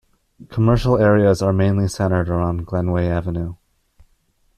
Commercial areas are mainly centered about Glenway Avenue.